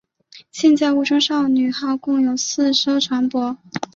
现在雾中少女号共有四艘船舶。